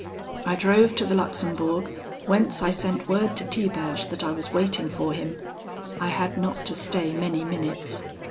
I drove to the Luxembourg, whence I sent word to Tiberge that I was waiting for him. I had not to stay many minutes.